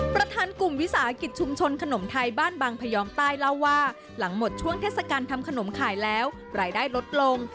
ประธานกลุ่มวิสาหกิจชุมชนขนมไทยบ้านบางพยอมใต้เล่าว่าหลังหมดช่วงเทศกาลทำขนมขายแล้วรายได้ลดลง